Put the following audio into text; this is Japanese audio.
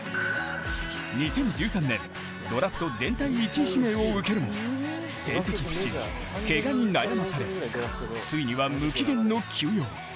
２０１３年、ドラフト全体１位指名を受けるも成績不振、けがに悩まされついには無期限の休養。